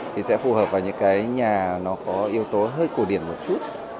thì sẽ phù hợp vào những cái nhà nó có yếu tố hơi cổ điển một chút